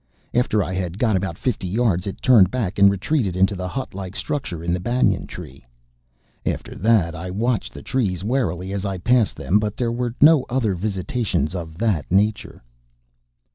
After I had got about fifty yards away it turned back and retreated into the hut like structure in the banyan tree. After that I watched the trees warily as I passed them, but there were no other visitations of that nature.